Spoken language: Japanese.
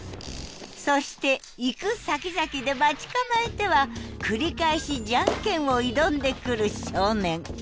そして行くさきざきで待ち構えては繰り返し「ジャンケン」を挑んでくる少年。